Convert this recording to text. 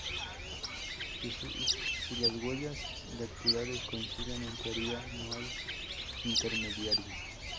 Si las huellas dactilares coinciden, en teoría, no hay intermediario.